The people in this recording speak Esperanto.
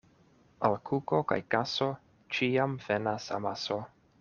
Al kuko kaj kaso ĉiam venas amaso.